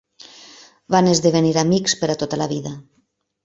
Van esdevenir amics per a tota la vida.